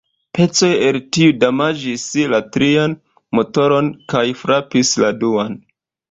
Pecoj el tiu damaĝis la trian motoron kaj frapis la duan.